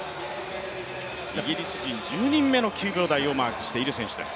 イギリス人１０人目の９秒台をマークしている選手です。